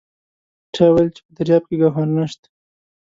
چا وایل چې په دریاب کې ګوهر نشته!